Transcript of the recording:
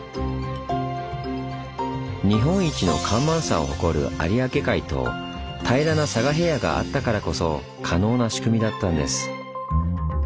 日本一の干満差を誇る有明海と平らな佐賀平野があったからこそ可能な仕組みだったんです。